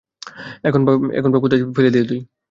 এখন পা কোথায় ফেলে দিলি তুই, হে।